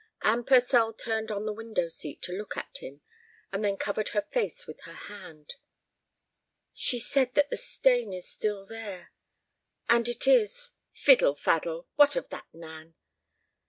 Anne Purcell turned on the window seat to look at him, and then covered her face with her hand. "She said that the stain is still there. And it is—" "Fiddle faddle! What of that, Nan?"